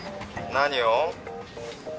「何を？」